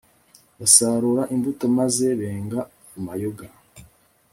basarura imbuto maze benga amayoga